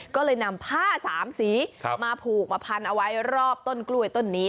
ก็เลยนำผ้าสามสีมาผูกมาพันเอาไว้รอบต้นกล้วยต้นนี้